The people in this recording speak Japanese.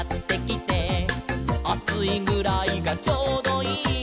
「『あついぐらいがちょうどいい』」